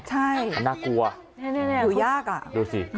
ใช่น่ากลัวดูสินะโอ้ยยากอ่ะ